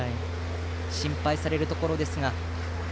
心配されるところですが。